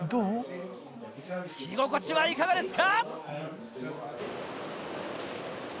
着心地はいかがですか？